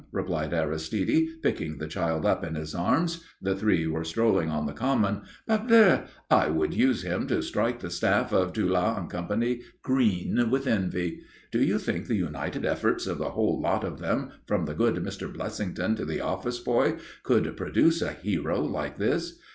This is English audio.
replied Aristide, picking the child up in his arms the three were strolling on the common "Parbleu! I would use him to strike the staff of Dulau & Company green with envy. Do you think the united efforts of the whole lot of them, from the good Mr. Blessington to the office boy, could produce a hero like this?